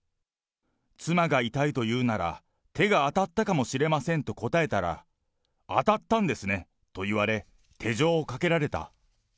妻が痛いというなら、手が当たったかもしれませんと答えたら、当たったんですねと言われ、手錠をかけられた。